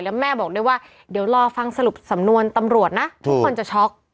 แล้วแม่บอกด้วยว่าเดี๋ยวรอฟังสรุปสำนวนตำรวจนะทุกคนจะช็อก